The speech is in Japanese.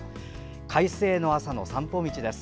快晴の朝の散歩道です。